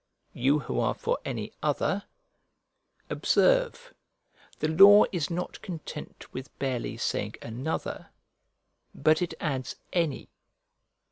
You who are for any other: observe, the law is not content with barely saying another, but it adds any.